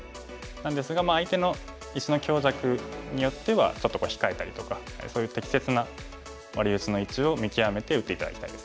なんですが相手の石の強弱によってはちょっとこう控えたりとかそういう適切なワリウチの位置を見極めて打って頂きたいですね。